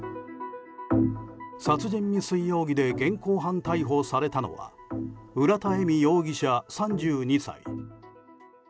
殺人未遂容疑で現行犯逮捕されたのは浦田恵美容疑者、３２歳。